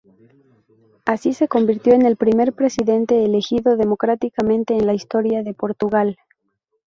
Así, se convirtió en el primer presidente elegido democráticamente en la historia de Portugal.